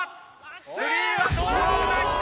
スリーはどうだ？きた！